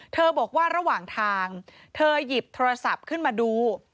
บอกว่าระหว่างทางเธอหยิบโทรศัพท์ขึ้นมาดู